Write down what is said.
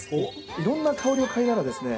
いろんな香りを嗅いだらですね